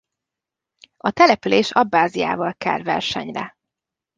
A település Abbáziával kel versenyre.